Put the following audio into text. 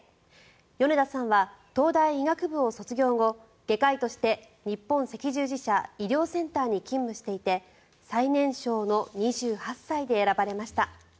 米田さんは東大医学部を卒業後外科医として日本赤十字社医療センターに勤務していて最年少の２８歳で選ばれました。